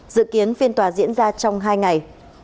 dự kiến phiên tòa diễn ra trong hai ngày